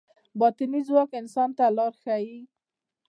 باطني ځواک انسان ته لار ښيي.